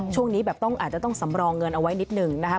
ช่วงนี้แบบต้องอาจจะต้องสำรองเงินเอาไว้นิดหนึ่งนะคะ